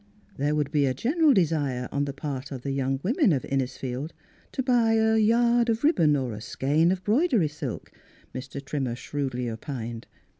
There would be a general desire on the part of the young women of Innisfield to buy a yard of ribbon or a skein of embroidery silk, Mr. Trimmer shrewdly opined.